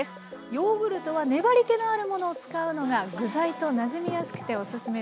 ヨーグルトは粘りけのあるものを使うのが具材となじみやすくてオススメです。